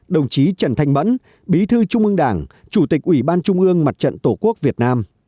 đồng chí trần thanh mẫn bí thư trung ương đảng chủ tịch ủy ban trung ương mặt trận tổ quốc việt nam